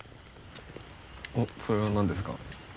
おっそれは何ですか？